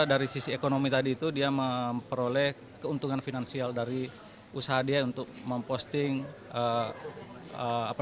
dari sisi ekonomi tadi itu dia memperoleh keuntungan finansial dari usaha dia untuk memposting apa